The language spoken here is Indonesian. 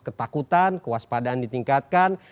ketakutan kewaspadaan ditingkatkan